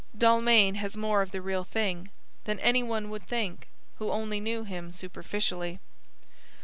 Dalmain has more of the real thing than any one would think who only knew him superficially.